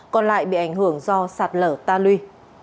còn lại bị ảnh hưởng do sạt lở ta lui